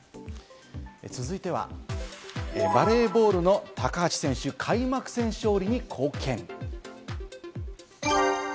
続いては、バレーボールの高橋選手、開幕戦勝利に貢献。